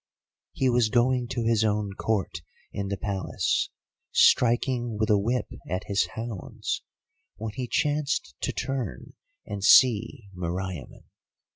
"He was going to his own Court in the Palace, striking with a whip at his hounds, when he chanced to turn and see Meriamun.